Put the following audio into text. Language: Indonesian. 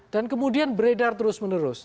kemudian beredar terus menerus